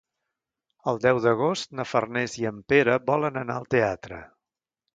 El deu d'agost na Farners i en Pere volen anar al teatre.